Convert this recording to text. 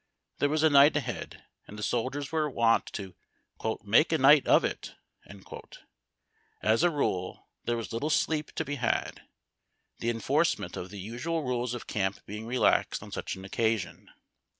There was a night ahead and the soldiers were wont to " make a night of it." As a rule, there was little sleep to be had, the enforcement of the usual rules of camp being relaxed on such an occasion.